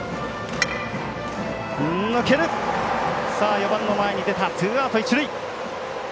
４番の前に出たツーアウト、一塁。